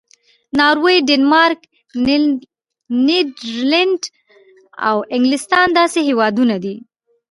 ناروې، ډنمارک، نیدرلینډ او انګلستان داسې هېوادونه دي.